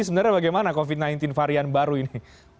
sebenarnya bagaimana covid sembilan belas varian baru ini